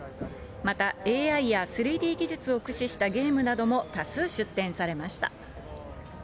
またＡＩや３Ｄ技術を駆使したゲームなども多数出展されました。